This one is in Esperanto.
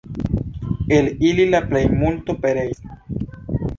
El ili la plejmulto pereis.